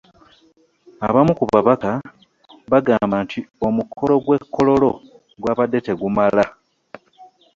Abamu ku babaka bagamba nti omukolo gw’e Kololo gwabadde tegumala